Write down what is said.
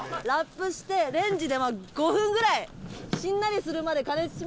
ラップしてレンジで５分ぐらいしんなりするまで加熱します。